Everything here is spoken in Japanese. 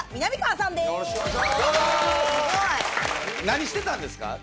何してたんですか？